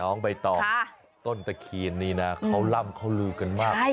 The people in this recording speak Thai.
น้องใบตองต้นตะเคียนนี่นะเขาร่ำเขาลือกันมาก